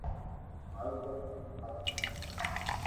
مارو ڪوم ھي ھوالڙو اوٺوو